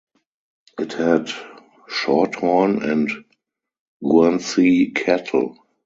It had Shorthorn and Guernsey cattle.